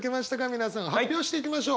皆さん発表していきましょう！